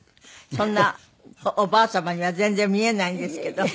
そんなおばあ様には全然見えないんですけど。